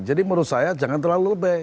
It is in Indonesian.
jadi menurut saya jangan terlalu lebih